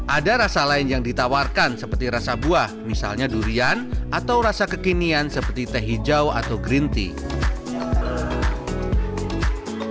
ada rasa lain yang ditawarkan seperti rasa buah misalnya durian atau rasa kekinian seperti teh hijau atau green tea